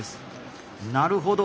なるほど。